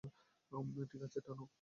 ঠিক আছে, টানো।